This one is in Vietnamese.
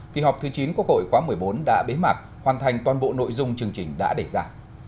kỳ họp thứ chín quốc hội quá một mươi bốn đã bế mạc hoàn thành toàn bộ nội dung chương trình đã đề ra